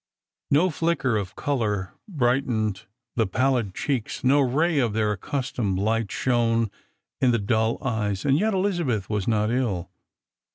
No flicker of colour brightened the palUd cheeks, no ray of their accustomed light shone in the dull ej^es, and yet Elizabeth waa not ill.